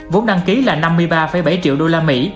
vốn đăng ký là năm mươi ba bảy triệu usd